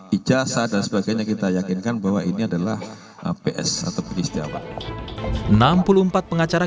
ijazah dan sebagainya kita yakinkan bahwa ini adalah ps atau beristirawat enam puluh empat pengacara